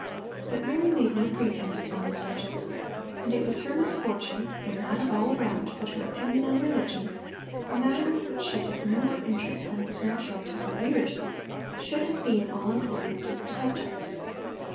But Mary made no pretences on the subject, and it was her misfortune, and that of all around, that her opinion on religion a matter in which she took no more interest than was natural to her years should have been all important to her subjects.